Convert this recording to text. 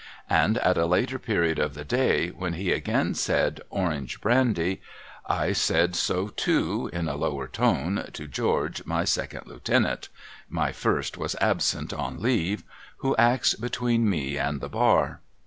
And at a later period of the day, when he again said, ' Orange Brandy,' I said so too, in a lower tone, to George, my Second Lieutenant (my First was absent on leave), who acts between me and the bar.